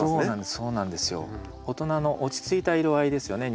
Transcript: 大人の落ち着いた色合いですよね。